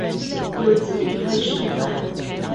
柚子一顆十塊